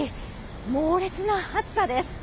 猛烈な暑さです。